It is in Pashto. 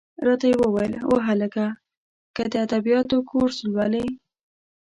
را ته یې وویل: وهلکه! که د ادبیاتو کورس لولې.